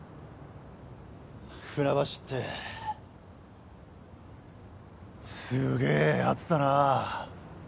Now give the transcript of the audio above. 船橋ってすげえヤツだなぁ。